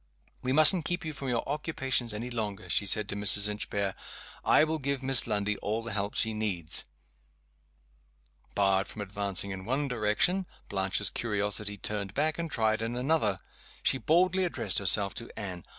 "We mustn't keep you from your occupations any longer," she said to Mrs. Inchbare. "I will give Miss Lundie all the help she needs." Barred from advancing in one direction, Blanche's curiosity turned back, and tried in another. She boldly addressed herself to Anne.